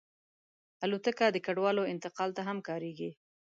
الوتکه د کډوالو انتقال ته هم کارېږي.